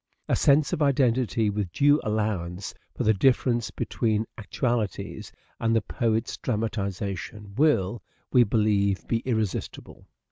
A sense of identity — with due allowance for the difference between actualities and the poet's dramatization — will, we believe, be irresistible.